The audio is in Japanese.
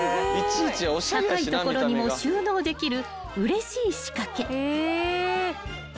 ［高い所にも収納できるうれしい仕掛け］